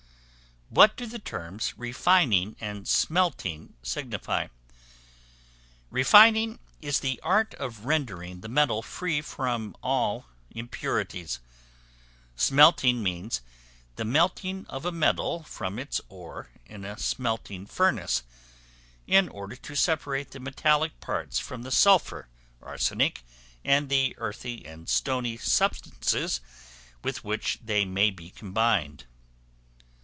What do the terms Refining and Smelting signify? Refining is the art of rendering the metal free from all impurities. Smelting means the melting of a metal from its ore in a smelting furnace, in order to separate the metallic parts from the sulphur, arsenic, and the earthy and stony substances with which they may be combined.